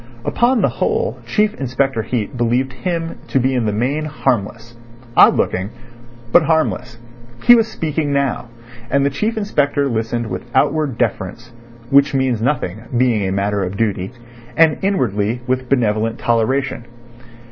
Upon the whole Chief Inspector Heat believed him to be in the main harmless—odd looking, but harmless. He was speaking now, and the Chief Inspector listened with outward deference (which means nothing, being a matter of duty) and inwardly with benevolent toleration.